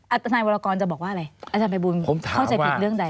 อาจารย์วรกรจะบอกว่าอะไรอาจารย์ภัยบูลเข้าใจผิดเรื่องใด